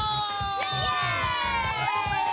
イエーイ！